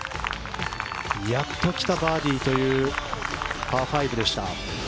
やっと来たバーディーというパー５でした。